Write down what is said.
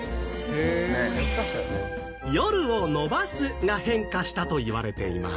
「夜を延ばす」が変化したといわれています